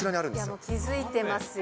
もう気付いてますよ。